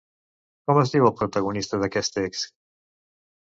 Com es diu el protagonista d'aquest text?